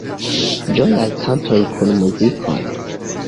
Ĝojaj kantoj kun muzikoj